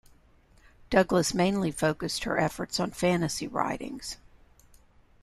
Douglass mainly focused her efforts on fantasy writings.